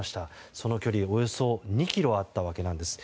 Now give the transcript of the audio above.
その距離、およそ２ｋｍあったわけなんです。